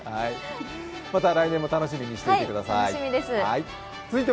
また来年も楽しみにしていてください。